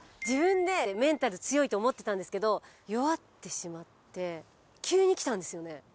自分でメンタル強いと思ってたんですけど弱ってしまって急にきたんですよね。